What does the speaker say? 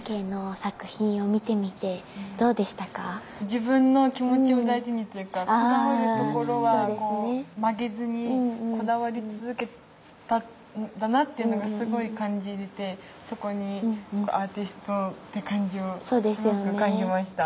自分の気持ちを大事にというかこだわるところは曲げずにこだわり続けたんだなっていうのがすごい感じれてそこにアーティストって感じをすごく感じました。